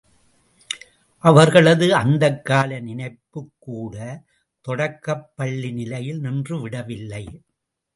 அவர்களது அந்தக்கால நினைப்புகூட தொடக்கப்பள்ளி நிலையில் நின்று விடவில்லை.